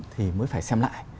thì mới phải xem lại